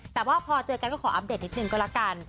แต่ว่าพอเจอกันก็ขออัปเดตนิดนึงก็แล้วกัน